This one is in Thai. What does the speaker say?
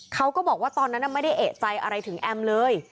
เขาก็บอกว่าตอนนั้นไม่ได้เอกใจอะไรถึงแอมเลย